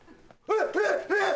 えっ！